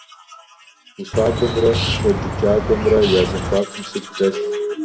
УсакӀуэмрэ щӀэджыкӀакӀуэмрэ я зэхуакум сыт дэлъ?